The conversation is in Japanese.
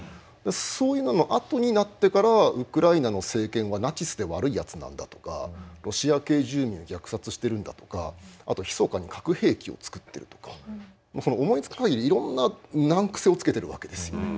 そういうののあとになってからウクライナの政権はナチスで悪いやつなんだとかロシア系住民を虐殺してるんだとかあとひそかに核兵器を作ってるとかまあ思いつく限りいろんな難癖をつけてるわけです。